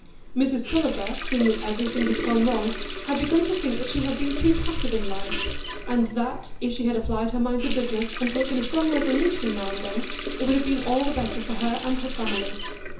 Mrs Tulliver, seeing that everything had gone wrong, had begun to think she had been too passive in life; and that, if she had applied her mind to business, and taken a strong resolution now and then, it would have been all the better for her and her family.